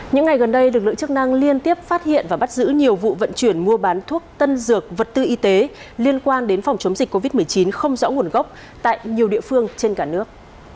những ngày gần đây lực lượng chức năng liên tiếp phát hiện và bắt giữ nhiều vụ vận chuyển mua bán thuốc tân dược vật tư y tế liên quan đến phòng chống dịch covid một mươi chín không rõ nguồn gốc tại nhiều địa phương trên cả nước